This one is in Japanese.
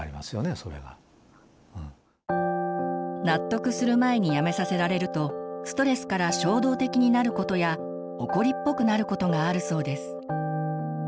納得する前にやめさせられるとストレスから衝動的になることやおこりっぽくなることがあるそうです。